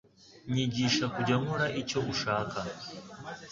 Nyigisha kujya nkora icyo ushaka